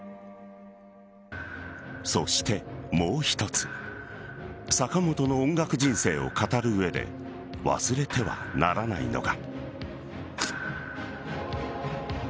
そして、もう一つ坂本の音楽人生を語る上で忘れてはならないのが。